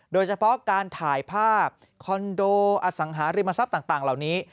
โดยเฉพาะการถ่ายภาพคอนโดอสังหาริมทรัพย์ต่างเหล่านี้